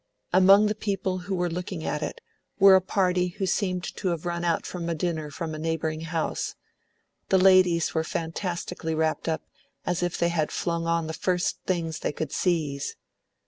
Among the people who were looking at it were a party who seemed to have run out from dinner in some neighbouring house; the ladies were fantastically wrapped up, as if they had flung on the first things they could seize.